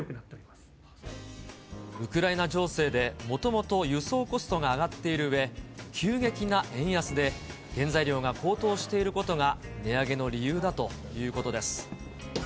ウクライナ情勢で、もともと輸送コストが上がっているうえ、急激な円安で、原材料が高騰していることが値上げの理由だということです。